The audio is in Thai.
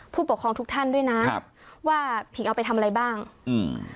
ผู้ปกครองทุกท่านด้วยนะครับว่าผิงเอาไปทำอะไรบ้างอืม